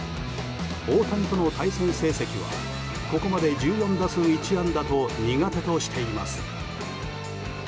大谷との対戦成績はここまで１４打数１安打と苦手としています。